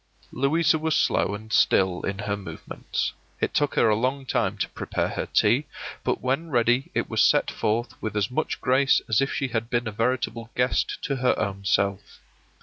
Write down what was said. Louisa was slow and still in her movements; it took her a long time to prepare her tea; but when ready it was set forth with as much grace as if she had been a veritable guest to her own self.